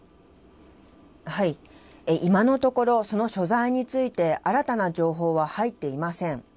今のところ、その所在について、新たな情報は入っていません。